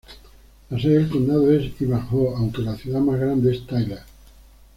La sede del condado es Ivanhoe aunque la ciudad más grande es Tyler.